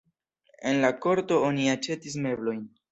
En la korto oni aĉetis meblojn.